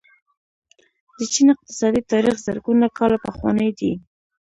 د چین اقتصادي تاریخ زرګونه کاله پخوانی دی.